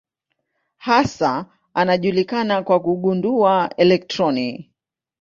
Hasa anajulikana kwa kugundua elektroni.